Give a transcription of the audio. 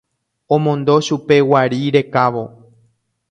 Omondo chupe guari rekávo.